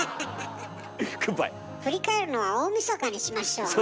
振り返るのは大みそかにしましょうね。